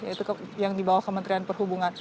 yaitu yang dibawa ke kementerian perhubungan